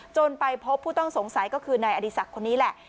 ไปพบผู้ต้องสงสัยก็คือนายอดีศักดิ์คนนี้แหละ